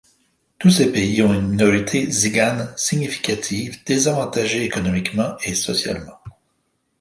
Tous ces pays ont une minorité tsigane significative, désavantagée économiquement et socialement.